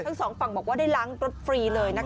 ทั้งสองฝั่งบอกว่าได้ล้างรถฟรีเลยนะคะ